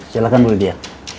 silahkan bu lydia